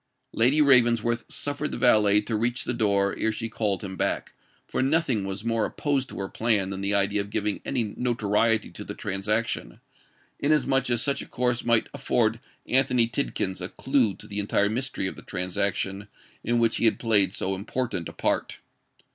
Lady Ravensworth suffered the valet to reach the door ere she called him back; for nothing was more opposed to her plan than the idea of giving any notoriety to the transaction, inasmuch as such a course might afford Anthony Tidkins a clue to the entire mystery of the transaction in which he had played so important a part.